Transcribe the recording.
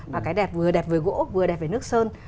và cái đẹp vừa đẹp về gỗ vừa đẹp về nước sơn